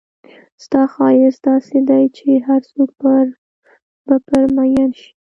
ستا ښایست داسې دی چې هرڅوک به پر مئین شي.